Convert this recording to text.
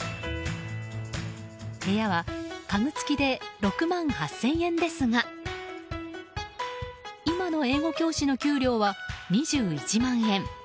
部屋は、家具付きで６万８０００円ですが今の英語教師の給料は２１万円。